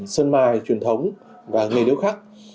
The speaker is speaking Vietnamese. sơn mài truyền thống và nghề điêu khắc